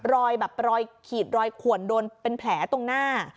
รอยแบบรอยขีดรอยขวนโดนเป็นแผลตรงหน้า